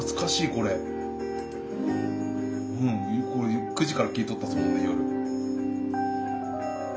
これ９時から聞いとったすもんね夜。